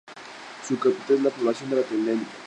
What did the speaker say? Su capital es la población de La Tendida.